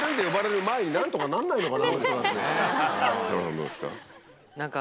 どうですか？